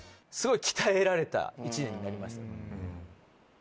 すごい鍛えられた１年になりました。